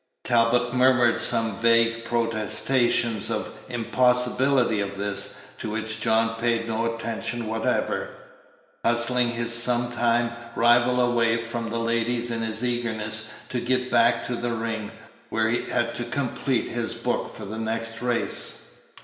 Talbot murmured some vague protestation of the impossibility of this, to which John paid no attention whatever, hustling his sometime rival away from the ladies in his eagerness to get back to the ring, where he had to complete his book for the next race.